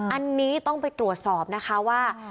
อันนี้ต้องไปตรวจสอบนะคะว่า